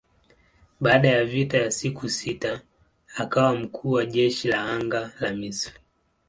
Baada ya vita ya siku sita akawa mkuu wa jeshi la anga la Misri.